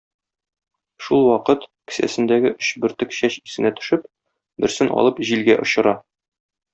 Шул вакыт кесәсендәге өч бөртек чәч исенә төшеп, берсен алып җилгә очыра.